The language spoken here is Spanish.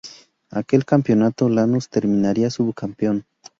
Aquel campeonato Lanús terminaría subcampeón.